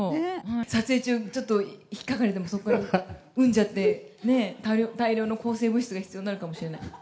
撮影中、ちょっとひっかかれたら、そこがうんじゃって、大量の抗生物質が必要になるかもしれない。